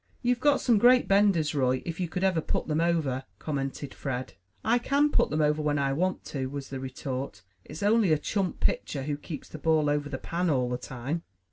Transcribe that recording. "You've got some great benders, Roy, if you could ever put them over," commented Fred. "I can put them over when I want to," was the retort. "It's only a chump pitcher who keeps the ball over the pan all the time."